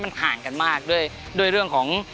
มันห่างกันมากด้วยเรื่องของ